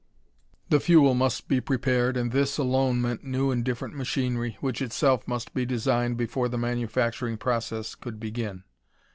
The fuel must be prepared, and this, alone, meant new and different machinery, which itself must be designed before the manufacturing process could begin.